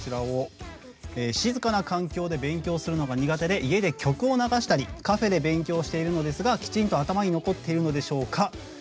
「静かな環境で勉強をするのが苦手で家で曲を流したりカフェで勉強をしているのですがきちんと頭に残っているのでしょうか？」。